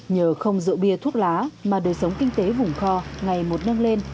nhờ không rượu bia thuốc lá mà đời sống kinh tế vùng kho ngày một nâng lên